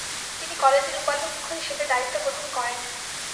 তিনি কলেজের উপাধ্যক্ষ হিসেবে দায়িত্ব গ্রহণ করেন।